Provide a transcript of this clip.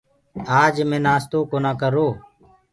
آج مينٚ نآستو ڪونآ ڪرو۔